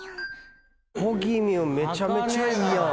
こぎみゅんめちゃめちゃいいやん。